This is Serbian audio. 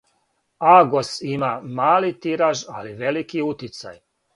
Агос има мали тираж, али велики утицај.